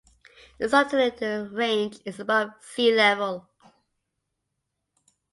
Its altitudinal range is above sea level.